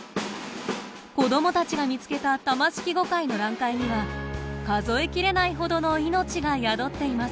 子どもたちが見つけたタマシキゴカイの卵塊には数え切れないほどの命が宿っています。